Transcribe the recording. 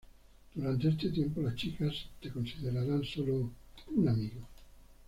Durante este tiempo, las chicas te considerarán sólo un "amigo".